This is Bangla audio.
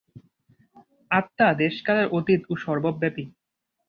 আত্মা দেশকালের অতীত ও সর্বব্যাপী।